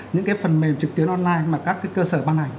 những cái phần mềm trực tuyến online mà các cái cơ sở văn hành